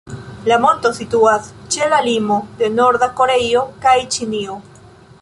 La monto situas ĉe la limo de Norda Koreio kaj Ĉinio.